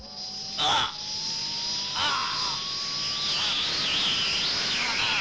あああっ。